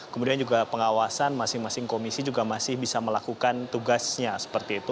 kemudian juga pengawasan masing masing komisi juga masih bisa melakukan tugasnya seperti itu